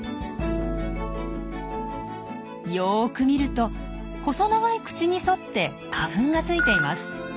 よく見ると細長い口に沿って花粉がついています。